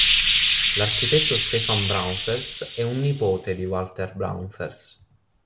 L'architetto Stephan Braunfels è un nipote di Walter Braunfels.